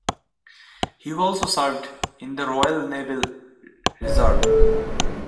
He also served in the Royal Naval Reserve.